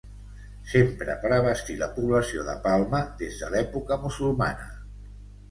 S'empra per abastir la població de Palma des de l'època musulmana.